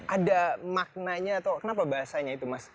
ada maknanya atau kenapa bahasanya itu mas